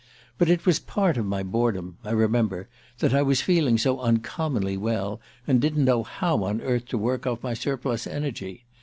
But it was part of my boredom I remember that I was feeling so uncommonly well, and didn't know how on earth to work off my surplus energy.